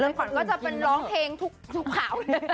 เริ่มก่อนก็จะเป็นร้องเพลงทุกขาวเลย